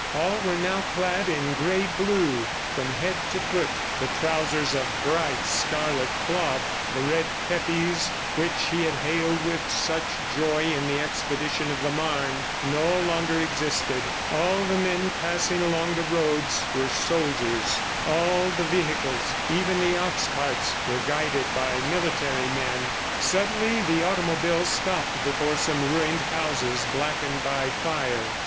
All were now clad in gray blue, from head to foot. The trousers of bright scarlet cloth, the red kepis which he had hailed with such joy in the expedition of the Marne, no longer existed. All the men passing along the roads were soldiers. All the vehicles, even the ox carts, were guided by military men. Suddenly the automobile stopped before some ruined houses blackened by fire.